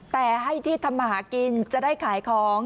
แต่ให้ที่ทำมาหากินจะได้ขายของ